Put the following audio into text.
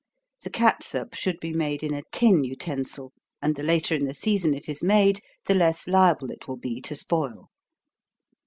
The catsup should be made in a tin utensil, and the later in the season it is made, the less liable it will be to spoil.